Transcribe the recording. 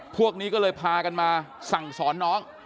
พวกนี้ก็เลยพากันมาสั่งสอนน้อง